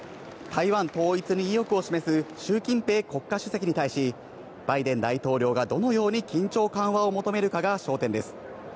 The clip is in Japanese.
台湾統一に意欲を示すシュウ・キンペイ国家主席に対し、バイデン大統領がどのように緊張緩和を求めるかが焦点です。